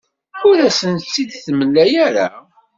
Ur asent-tt-id-temlam ara.